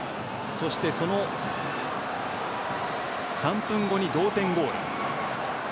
そして、その３分後に同点ゴール。